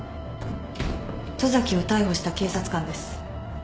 十崎を逮捕した警察官です。